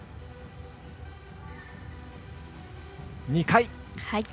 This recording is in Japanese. ２回。